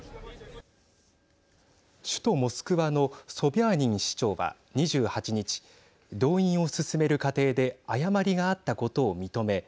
首都モスクワのソビャーニン市長は２８日、動員を進める過程で誤りがあったことを認め